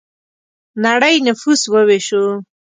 نړۍ نفوس وویشو.